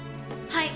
はい！